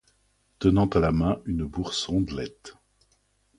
Tenant à la main une bourse rondelette.